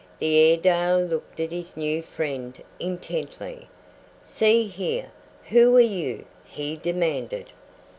The Airedale looked at his new friend intently. "See here, who are you?" he demanded.